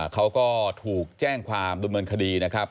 เขาก็ถูกแจ้งความดำเนินคดีนะครับ